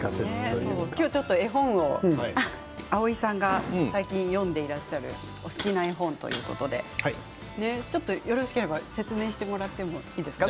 今日はちょっと蒼井さんが最近読んでいらっしゃるお好きな絵本ということでよろしければ説明していただいていいですか。